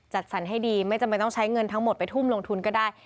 จัดสรรให้ดีไม่จำเป็นต้องใช้เงินทั้งหมดไปทุ่มลงทุนก็ได้